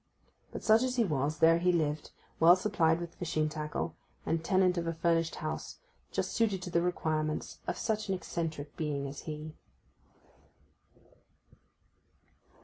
But such as he was there he lived, well supplied with fishing tackle, and tenant of a furnished house, just suited to the requirements of such an eccentric being as he.